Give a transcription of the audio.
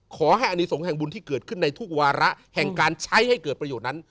ขอให้อนิสงฆ์แห่งบุญที่เกิดขึ้นในทุกวาระแห่งการใช้ให้เกิดประโยชน์นั้น